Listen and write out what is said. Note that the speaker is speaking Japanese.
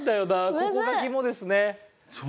ここが肝ですね。